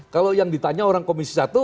kalau yang ditanya orang komisi satu